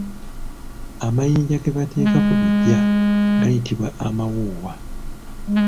Amayinja ge bateeka ku biggya gayitibwa amawuuwa.